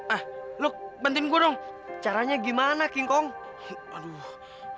eh lu bantuin gue dong caranya gimana king kong aduh